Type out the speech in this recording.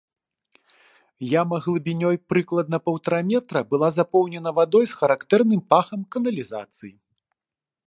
Яма глыбінёй прыкладна паўтара метра была запоўненая вадой з характэрным пахам каналізацыі.